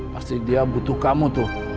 pasti dia butuh kamu tuh